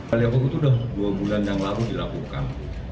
baliho itu sudah dua bulan yang lalu dilakukan